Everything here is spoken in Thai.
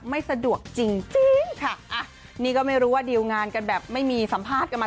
ไม่สะดวกจริงจริงค่ะอ่ะนี่ก็ไม่รู้ว่าดิวงานกันแบบไม่มีสัมภาษณ์กันมา